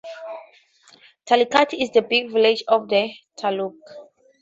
Talikatte, is the big village of the taluk.